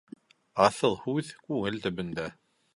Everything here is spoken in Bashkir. Аҫыл һүҙ күңел төбөндә.